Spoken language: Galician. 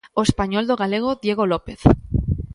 O Español do galego Diego López.